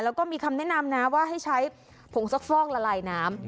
แล้วก็มีคำแนะนำนะว่าให้ใช้ผงซักฟ่องละลายน้ำ